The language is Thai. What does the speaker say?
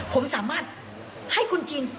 ผมสามารถให้คุณจิน